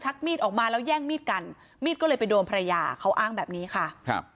มีดออกมาแล้วแย่งมีดกันมีดก็เลยไปโดนภรรยาเขาอ้างแบบนี้ค่ะครับ